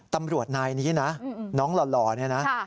ตำรวจนายนี้นะน้องหล่อเนี่ยนะ